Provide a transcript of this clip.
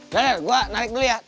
nanti gue naik dulu ya